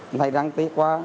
nó thấy rắn tiếc quá